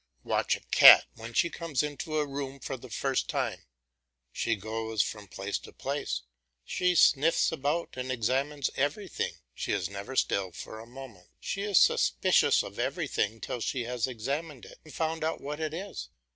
Watch a cat when she comes into a room for the first time; she goes from place to place, she sniffs about and examines everything, she is never still for a moment; she is suspicious of everything till she has examined it and found out what it is.